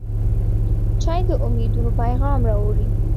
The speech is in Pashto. چای د امیدونو پیغام راوړي.